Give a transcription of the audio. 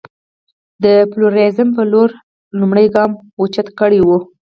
د پلورالېزم په لور لومړ ګامونه اوچت کړي وو.